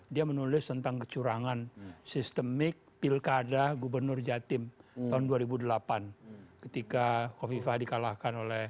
dia menulis tentang kecurangan sistemik pilkada gubernur jatim tahun dua ribu delapan ketika kofifah di kalahkan oleh